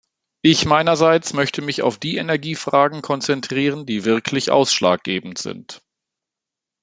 Ich meinerseits möchte mich auf die Energiefragen konzentrieren, die wirklich ausschlaggebend sind.